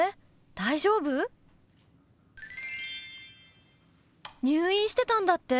大丈夫？入院してたんだって？